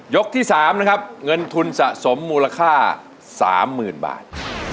ที่๓นะครับเงินทุนสะสมมูลค่า๓๐๐๐บาท